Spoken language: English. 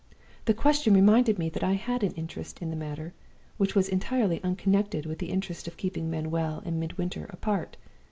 The question reminded me that I had an interest in the matter, which was entirely unconnected with the interest of keeping Manuel and Midwinter apart.